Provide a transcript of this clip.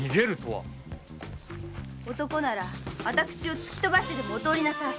男なら私を突きとばしてでもお通りなさい。